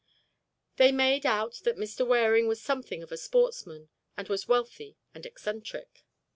They made out that Mr. Waring was something of a sportsman and was wealthy and eccentric.